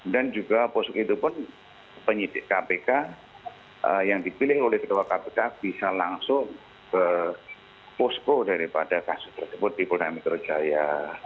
dan juga pusko itu pun penyidik kpk yang dipilih oleh kedua kpk bisa langsung ke pusko daripada kasus tersebut di polda metro jaya